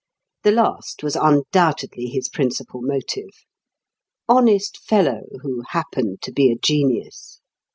The last was undoubtedly his principal motive. Honest fellow, who happened to be a genius!